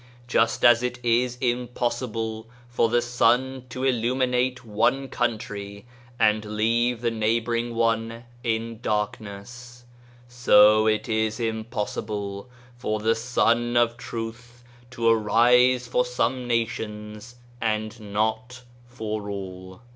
Just as it is im possible for the sun to illuminate one country, and leave the neighbouring one in darkness, so it is impossible for the Sun of Truth to arise for some nations and not for all.